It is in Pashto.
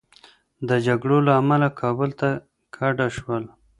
د جګړو له امله کابل ته کډه شول.